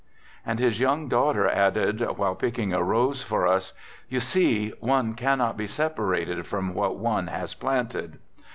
And his young daughter added, while picking a rose for us: "You see, one cannot be separated from what one has planted."